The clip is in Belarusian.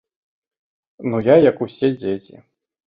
Ну я, як усе дзеці.